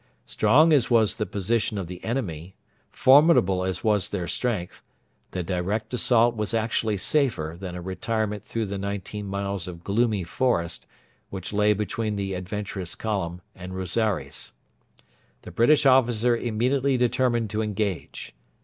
Strong as was the position of the enemy, formidable as was their strength, the direct assault was actually safer than a retirement through the nineteen miles of gloomy forest which lay between the adventurous column and Rosaires. The British officer immediately determined to engage.